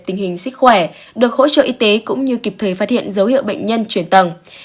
tình hình sức khỏe được hỗ trợ y tế cũng như kịp thời phát hiện dấu hiệu bệnh nhân chuyển tầng